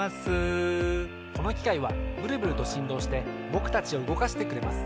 このきかいはブルブルとしんどうしてぼくたちをうごかしてくれます。